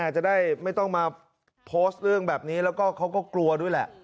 จะได้ไม่ต้องมาโพสต์เรื่องแบบนี้แล้วก็เขาก็กลัวด้วยแหละ